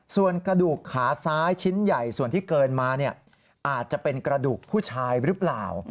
ส่วนกระดูกขาซ้ายชิ้นใหญ่ส่วนที่เกินมาอาจจะเป็นกระดูกผู้ชายหรือเปล่า